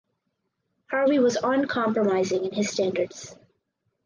Harvey was uncompromising in his standards.